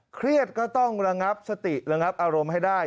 เครียดก็ต้องระงับสติระงับอารมณ์ให้ได้